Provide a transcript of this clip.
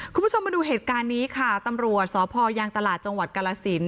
คุณผู้ชมมาดูเหตุการณ์นี้ค่ะตำรวจสพยางตลาดจังหวัดกาลสิน